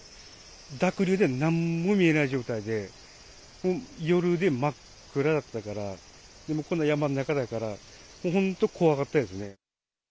濁流でなんも見えない状態で、夜で真っ暗だったから、でもこんな山の中だから、本当、怖かったですね。